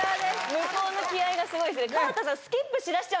向こうの気合いがすごいですね